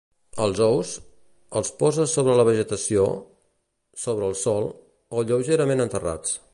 Els ous, els poses sobre la vegetació, sobre el sòl o lleugerament enterrats.